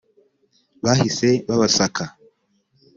bahise babasaka